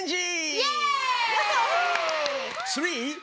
イエーイ！